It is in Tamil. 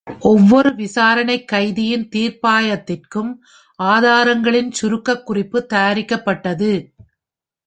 ஒவ்வொரு விசாரணைக்கைதியின் தீர்ப்பாயத்திற்கும் ஆதாரங்களின் சுருக்கக் குறிப்பு தயாரிக்கப்பட்டது.